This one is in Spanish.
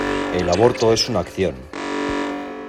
El aborto es una acción.